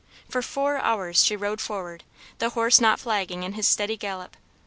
For four hours she rode forward, the horse not flagging in his steady gallop.